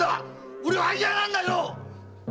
俺は嫌なんだよ‼〕